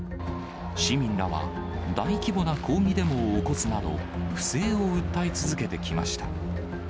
市民らは、大規模な抗議デモを起こすなど、不正を訴え続けてきました。